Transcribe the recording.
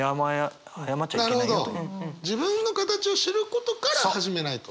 自分の形を知ることから始めないと。